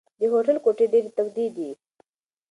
د هوټل کوټې ډېرې تودې دي.